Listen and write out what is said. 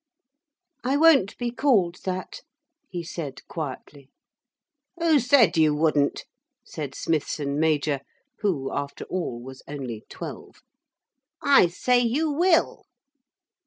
'I won't be called that,' he said quietly. 'Who said you wouldn't?' said Smithson major, who, after all, was only twelve. 'I say you will.'